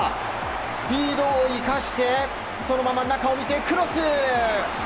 スピードを生かしてそのまま中を見て、クロス！